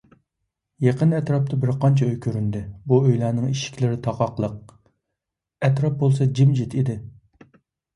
يېقىن ئەتراپتا بىرقانچە ئۆي كۆرۈندى، بۇ ئۆيلەرنىڭ ئىشىكلىرى تاقاقلىق، ئەتراپ بولسا جىمجىت ئىدى.